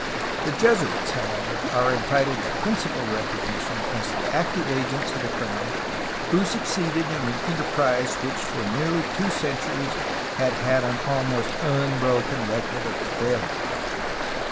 The Jesuits, however, are entitled to princi pal recognition as the active agents of the crown who succeeded in an enterprise which for nearly two centuries had had an almost unbroken record of failure.